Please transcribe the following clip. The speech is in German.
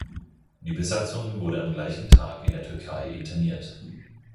Die Besatzung wurde am gleichen Tag in der Türkei interniert.